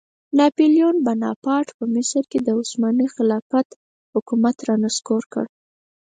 ناپیلیون بناپارټ په مصر کې د عثماني خلافت حکومت رانسکور کړ.